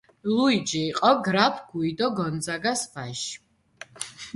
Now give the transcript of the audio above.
ლუიჯი იყო გრაფ გუიდო გონძაგას ვაჟი.